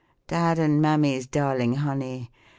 Dad and Mammy's darling honey.